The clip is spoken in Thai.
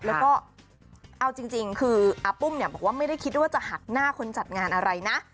แล้วก็เอาจริงคืออาปุ้มเนี่ยบอกว่าไม่ได้คิดว่าจะหักหน้าคนจัดงานอะไรนะ